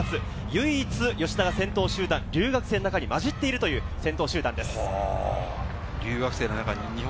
唯一、吉田が先頭集団、留学生の中に混じっているという先頭集団です。